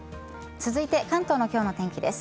続いて、関東の今日の天気です。